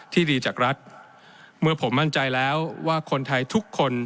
ดีจากรัฐเมื่อผมมั่นใจแล้วว่าคนไทยทุกคน